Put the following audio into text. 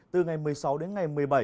từ ngày một mươi sáu đến ngày một mươi bảy